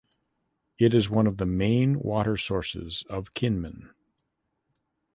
It is one of the main water sources of Kinmen.